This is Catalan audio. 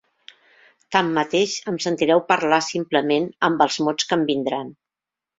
Tanmateix em sentireu parlar simplement amb els mots que em vindran.